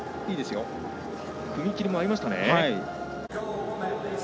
踏み切りも合いました。